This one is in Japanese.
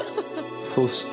そして